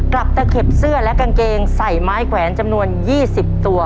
ตะเข็บเสื้อและกางเกงใส่ไม้แขวนจำนวน๒๐ตัว